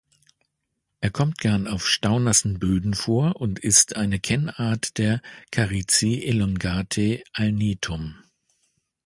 Er kommt gern auf staunassen Böden vor und ist eine Kennart der Carici-elongatae-Alnetum.